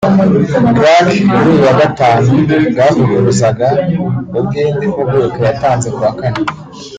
Clark kuri uyu wa Gatanu bwavuguruzaga ubw’indi mpuguke yatanze kuwa Kane